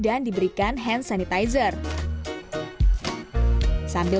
yang ditemukan dan saja ajaran road trip